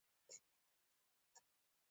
پکورې د ښایسته مینځګړیو لاس پخلي وي